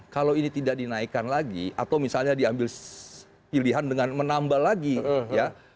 kalau ini tidak dinaikkan lagi atau misalnya diambil pilihan dengan menambah lagi ya